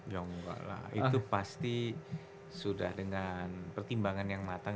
itu pasti sudah dengan pertimbangan yang matang